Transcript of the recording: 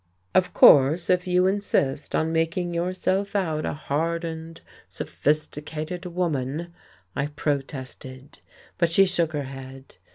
"Of course, if you insist on making yourself out a hardened, sophisticated woman " I protested. But she shook her head.